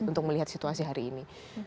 untuk melihat situasi hari ini